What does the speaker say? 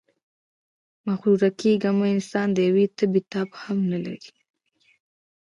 مغروره کېږئ مه، انسان د یوې تبې تاب هم نلري.